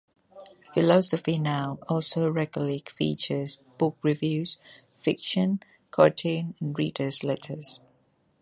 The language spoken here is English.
"Philosophy Now" also regularly features book reviews, fiction, cartoons, and readers' letters.